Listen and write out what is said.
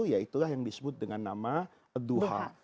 yaitulah yang disebut dengan nama duha